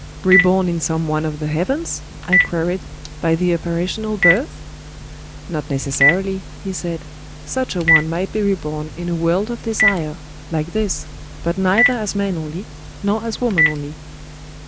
"Reborn in some one of the heavens?" I queried,—"by the Apparitional Birth?" "Not necessarily," he said. "Such a one might be reborn in a world of desire,—like this,—but neither as man only, nor as woman only."